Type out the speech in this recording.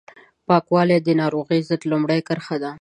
پاکوالی د ناروغیو ضد لومړۍ کرښه ده